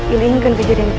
ini inginkan kejadianmu